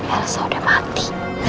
elsa udah mati